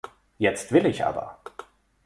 Jetzt will ich aber.